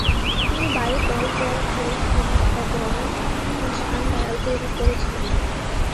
তিনি বায়ুকল, জল-ঘড়ি, ঘুড়ি এবং সান-ডায়াল তৈরি করেছিলেন।